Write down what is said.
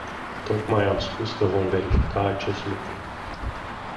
Tocmai am spus că vom verifica acest lucru.